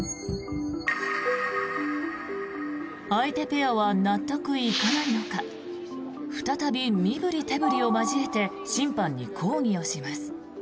相手ペアは納得いかないのか再び身ぶり手ぶりを交えて審判に抗議をします。